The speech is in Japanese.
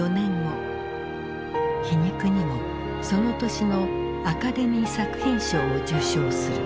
皮肉にもその年のアカデミー作品賞を受賞する。